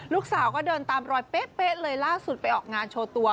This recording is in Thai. ลูกสาวก็เดินตามรอยเป๊ะเลยล่าสุดไปออกงานโชว์ตัว